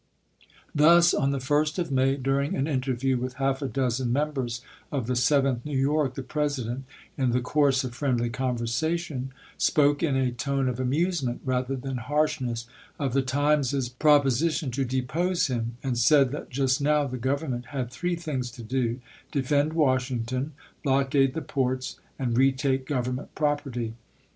Thus, on the 1st of May, during an inter view with half a dozen members of the Seventh New York, the President, in the course of friendly conversation, spoke in a tone of amusement rather than harshness of the " Times's " proposition to depose him ; and said that just now the Grovern ment had three things to do : defend Washington, blockade the ports, and retake Government prop erty.